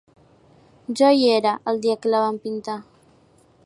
Jo hi era, el dia que la va pintar.